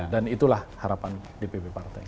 dan itulah harapan dpp partai